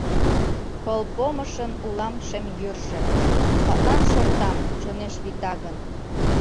Пыл помышын улам шем йӱржӧ, Садлан шортам, чонеш вита гын.